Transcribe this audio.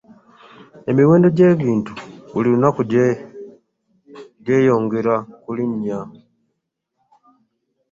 Emiwendo gye bintu buli lunaku gyeyongera kulinya.